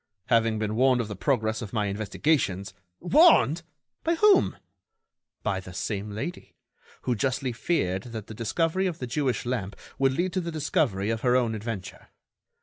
"Having been warned of the progress of my investigations——" "Warned! by whom?" "By the same lady, who justly feared that the discovery of the Jewish lamp would lead to the discovery of her own adventure.